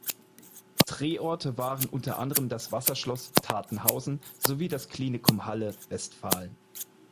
Drehorte waren unter anderem das Wasserschloss Tatenhausen sowie das Klinikum Halle (Westfalen).